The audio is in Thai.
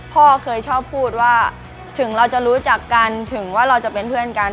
พ่อเคยชอบพูดว่าถึงเราจะรู้จักกันถึงว่าเราจะเป็นเพื่อนกัน